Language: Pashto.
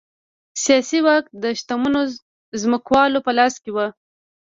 سیاسي واک د شتمنو ځمکوالو په لاس کې و